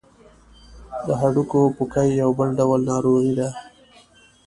د هډوکو پوکی یو بل ډول ناروغي ده.